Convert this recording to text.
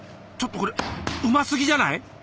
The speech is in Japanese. ちょっとこれうますぎじゃない？